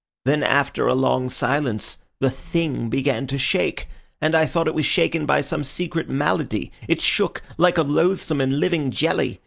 Then, after a long silence, the Thing began to shake, and I thought it was shaken by some secret malady. It shook like a loathsome and living jelly.